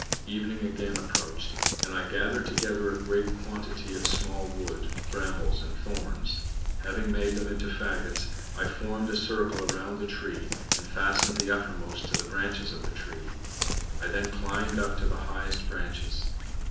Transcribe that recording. Evening again approached, and I gathered together a great quantity of small wood, brambles, and thorns. Having made them into fagots, I formed a circle round the tree, and fastened the uppermost to the branches of the tree. I then climbed up to the highest branches.